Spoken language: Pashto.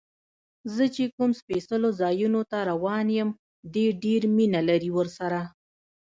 زه چې کوم سپېڅلو ځایونو ته روان یم، دې ډېر مینه لري ورسره.